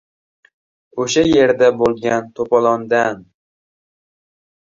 — O‘sha yerda bo‘lgan to‘polondan?